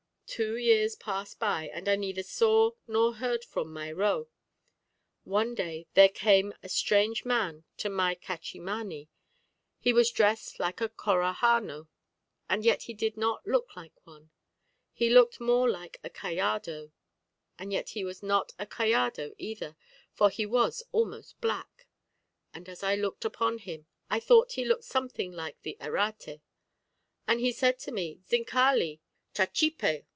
Two years passed by, and I neither saw nor heard from my ro. One day there came a strange man to my cachimani; he was dressed like a Corahanó, and yet he did not look like one; he looked more like a callardó, and yet he was not a callardó either, though he was almost black; and as I looked upon him, I thought he looked something like the Errate; and he said to me, 'Zincali, chachipé!'